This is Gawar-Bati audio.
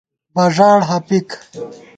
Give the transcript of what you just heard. بݫاڑ ہَپِک